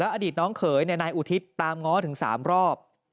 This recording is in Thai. อดีตน้องเขยนายอุทิศตามง้อถึง๓รอบ